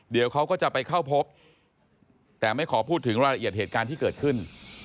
เดี๋ยวเขาก็จะไปเข้าพบแต่ไม่ขอพูดถึงรายละเอียดเหตุการณ์ที่เกิดขึ้น